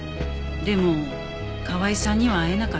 でも河合さんには会えなかった。